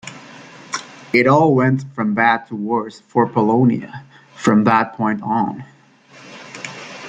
It all went from bad to worse for Polonia from that point on.